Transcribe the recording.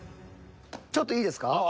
ちょっといいですか？